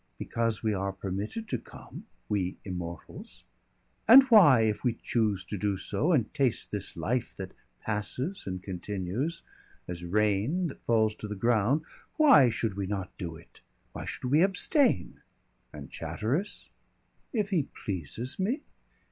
"Because we are permitted to come we immortals. And why, if we choose to do so, and taste this life that passes and continues, as rain that falls to the ground, why should we not do it? Why should we abstain?" "And Chatteris?" "If he pleases me."